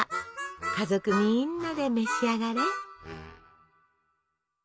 家族みんなで召し上がれ！